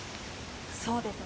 そうですね。